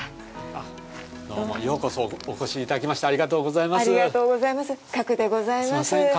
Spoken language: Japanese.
どうも、ようこそお越しいただきまして、ありがとうございます。